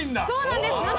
そうなんです。